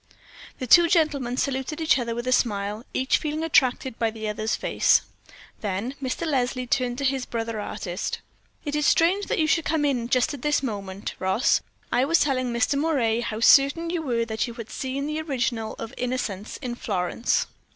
The two gentlemen saluted each other with a smile, each feeling attracted by the other's face. Then Mr. Leslie turned to his brother artist. "It is strange that you should come in just at this minute, Ross, I was telling Mr. Moray how certain you were that you had seen the original of 'Innocence' in Florence."